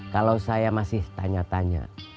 kalau saya masih tanya tanya